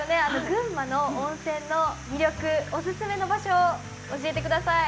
群馬の温泉の魅力おすすめの場所教えてください。